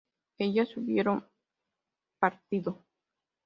¿ellas hubieron partido?